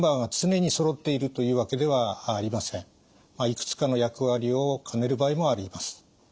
いくつかの役割を兼ねる場合もあります。